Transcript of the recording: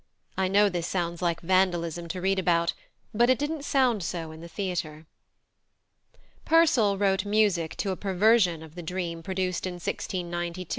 I know this sounds like vandalism to read about, but it didn't sound so in the theatre. +Purcell+ wrote music to a perversion of the Dream produced in 1692 (see above, p.